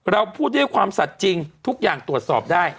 เราพูดด้วยความสัดจริงทุกอย่างตรวจสอบได้